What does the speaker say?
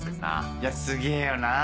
いやすげぇよな。